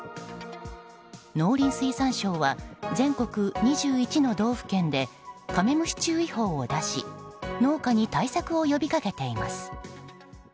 農林水産省は全国２１の道府県でカメムシ注意報を出し農家に対策を呼びかけています。